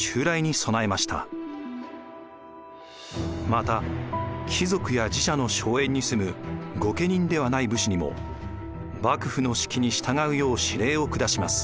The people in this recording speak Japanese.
また貴族や寺社の荘園に住む御家人ではない武士にも幕府の指揮に従うよう指令を下します。